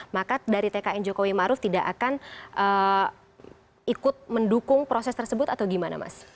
maka dari tkn jokowi maruf tidak akan ikut mendukung proses tersebut atau gimana mas